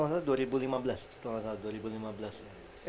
kalau gak salah dua ribu lima belas